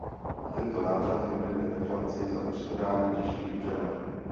Tento návrat vyplyne ve Francii za přibrání těžkých břemen.